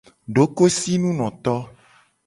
Dokoesinunoto.